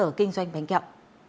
các cơ sở kinh doanh bánh kẹo